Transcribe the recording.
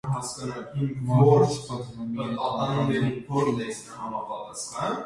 «Մաֆիան սպանում է միայն ամռանը» ֆիլմով։